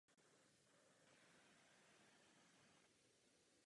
Následuje skenování a vyhodnocení dat.